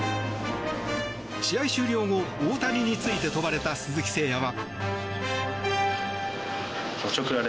試合終了後、大谷について問われた鈴木誠也は。